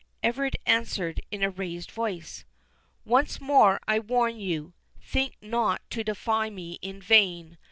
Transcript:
Everard answered in a raised voice.—"Once more I warn you, think not to defy me in vain.